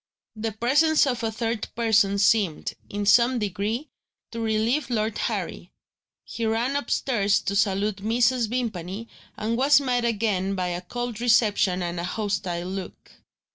The presence of a third person seemed, in some degree, to relieve Lord Harry. He ran upstairs to salute Mrs. Vimpany, and was met again by a cold reception and a hostile look.